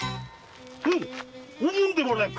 おぶんではないか！